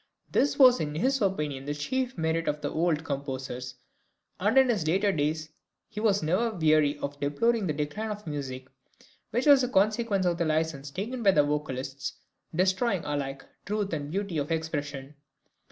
This was in his opinion the chief merit of the old composers, and in his later years he was never weary of deploring the decline of music, which was the consequence of the license taken by vocalists, destroying alike truth and beauty of expression.